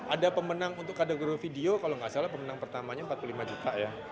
ada pemenang untuk kategori video kalau nggak salah pemenang pertamanya empat puluh lima juta ya